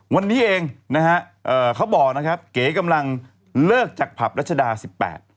วันนี้เองนะฮะเอ่อเขาบอกนะครับเก๋กำลังเลิกจากผับรัชดาสิบแปด